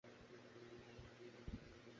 তখন দুপুরবেলা, ঘরে কেউ নেই।